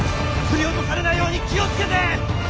振り落とされないように気をつけて！